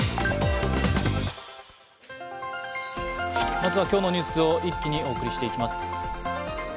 まずは、今日のニュースを一気にお送りしていきます。